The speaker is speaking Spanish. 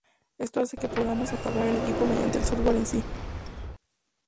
Esto hace que podamos apagar el equipo mediante el software en sí.